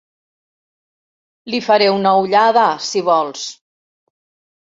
Li faré una ullada si vols.